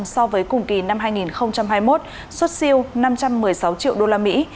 so với cùng kỳ năm hai nghìn hai mươi một xuất siêu năm trăm một mươi sáu triệu usd